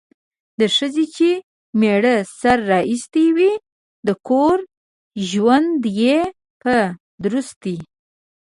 د ښځې چې میړه سره راستي وي ،د کور ژوند یې په درستي